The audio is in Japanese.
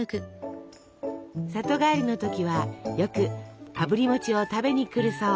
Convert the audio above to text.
里帰りの時はよくあぶり餅を食べに来るそう。